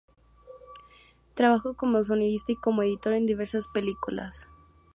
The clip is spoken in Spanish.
Trabajó como sonidista y como editor en diversas películas.